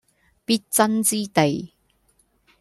必爭之地